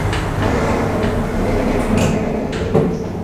হাউজে কাউসার তোমাদের সাথে আমার দেখার প্রতিশ্রুত স্থান।